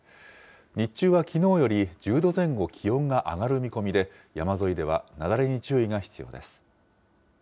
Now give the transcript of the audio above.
日中はきのうより１０度前後気温が上がる見込みで、山沿いでは雪崩に注意が必要です。